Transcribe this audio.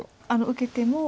受けても。